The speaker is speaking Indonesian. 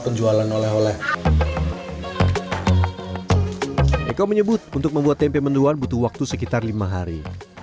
penjualan oleh oleh eko menyebut untuk membuat tempe mendoan butuh waktu sekitar lima hari